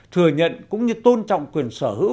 thừa nhận cũng như tôn trọng quyền sở hữu